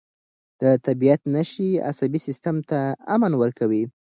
د طبیعت نښې عصبي سیستم ته امن ورکوي.